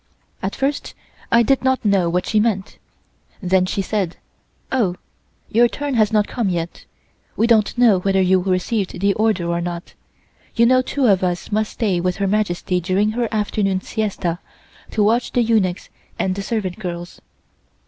At first I did not know what she meant. Then she said: "Oh, your turn has not come yet. We don't know whether you received the order or not. You know two of us must stay with Her Majesty during her afternoon siesta, to watch the eunuchs and the servant girls."